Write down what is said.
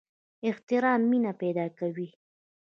احترام مینه پیدا کوي